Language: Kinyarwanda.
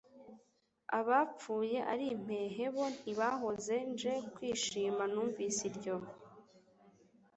Abapfuye ari impehe bo ntibahoze Nje kwishima numvise iryo,